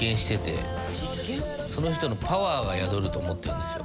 その人のパワーが宿ると思ってるんですよ。